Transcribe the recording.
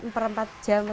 lima menit atau empat jam